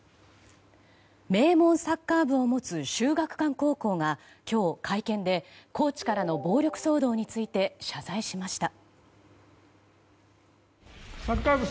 名門サッカー部を持つ秀岳館高校が今日、会見でコーチからの暴力騒動について謝罪しました。